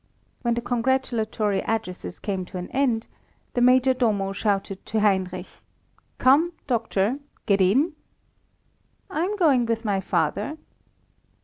When the congratulatory addresses came to an end, the Major Domo shouted to Heinrich "Come, doctor! Get in!" "I am going with my father."